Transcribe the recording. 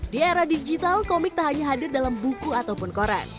di era digital komik tak hanya hadir dalam buku ataupun koran